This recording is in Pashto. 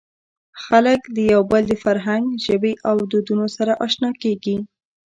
خلک د یو بل د فرهنګ، ژبې او دودونو سره اشنا کېږي.